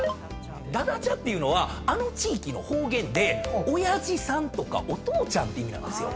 「だだちゃ」っていうのはあの地域の方言で親父さんとかお父ちゃんって意味なんですよ。